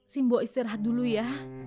simbo istirahat dulu ya